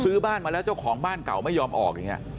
บ้านมาแล้วเจ้าของบ้านเก่าไม่ยอมออกอย่างนี้